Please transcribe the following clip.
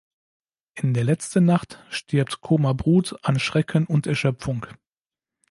In der letzten Nacht stirbt Choma Brut an Schrecken und Erschöpfung.